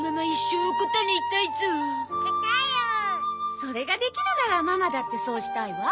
それができるならママだってそうしたいわ。